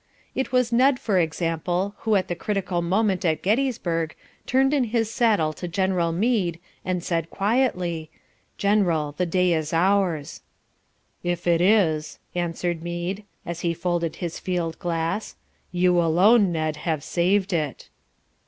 It was Ned, for example, who at the critical moment at Gettysburg turned in his saddle to General Meade and said quietly, "General, the day is ours." "If it is," answered Meade, as he folded his field glass, "you alone, Ned, have saved it."